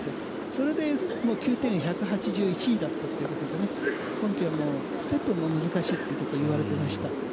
それでＱＴが１８１位だったということで今季はステップも難しいといわれていました。